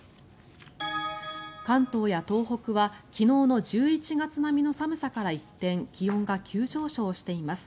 関東や東北は昨日の１１月並みの寒さから一転気温が急上昇しています。